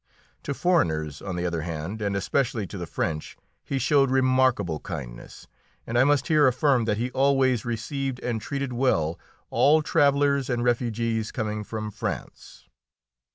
To foreigners, on the other hand, and especially to the French, he showed remarkable kindness, and I must here affirm that he always received and treated well all travellers and refugees coming from France.